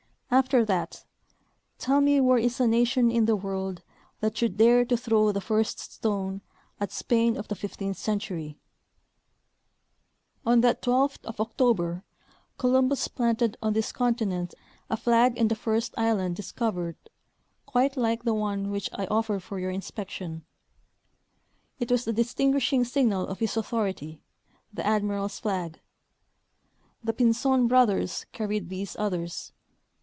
After that, tell me Avhere is a nation in the Avorld that should dare to throw the first stone at Spain of the fifteenth century ? 25— Nat. f4K0G. Mag., vol. V, 189,3. 18G V. M. Concas — The Caravels of Columbus. On that twelfth of October Columbus planted on this continent a flag in the first island discovered, quite like the one which I offer for your inspection. It was the distinguishing signal of his authority, the admiral's flag. The Pinzpn brothers carried these others.